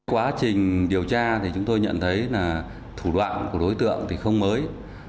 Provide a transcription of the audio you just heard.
quá trình điều tra thì chúng tôi nhận thấy là thủ đoạn của đối tượng thì không mới